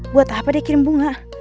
buat apa dia kirim bunga